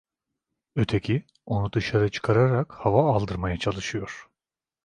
Öteki onu dışarı çıkararak hava aldırmaya çalışıyor.